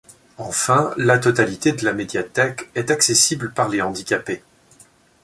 Enfin, la totalité de la Médiathèque est accessible par les handicapés.